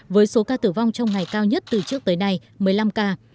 với số ca tử vong trong ngày cao nhất từ trước tới nay một mươi năm ca